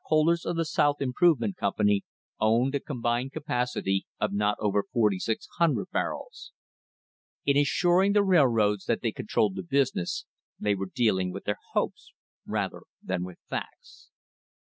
THE RISE OF THE STANDARD OIL COMPANY provement Company owned a combined capacity of not over 4,600 barrels. In assuring the railroads that they controlled the business, they were dealing with their hopes rather than with facts.